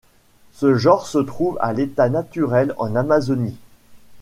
Ce genre se trouve à l'état naturel en Amazonie.